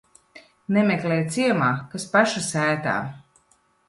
Nemeklē ciemā, kas paša sētā.